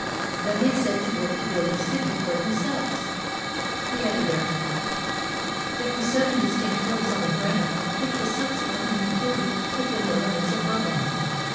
Then they set to work to build a city for themselves. The Editor] There were seven distinct hills on the ground which was subsequently included within the limits of Rome.